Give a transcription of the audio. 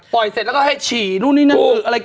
ปล่อยเสร็จแล้วก็ให้ฉีนู่นนี่นั่น